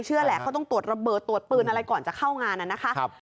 แหละเขาต้องตรวจระเบิดตรวจปืนอะไรก่อนจะเข้างานน่ะนะคะ